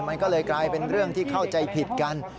มันก็เลยกลายเป็นเรื่องที่เข้าใจผิดกัน